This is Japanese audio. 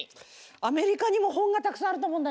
アメリカにもほんがたくさんあるとおもうんだよな。